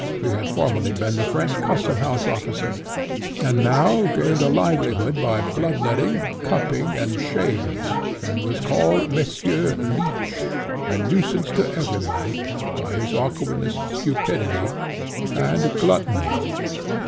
He had formerly been a French custom house officer, and now gained a livelihood by blood letting, cupping, and shaving, and was called Monsieur Leech, a nuisance to every body, by his awkwardness, stupidity, and gluttony.